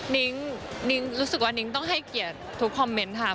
นิ้งรู้สึกว่านิ้งต้องให้เกียรติทุกคอมเมนต์ค่ะ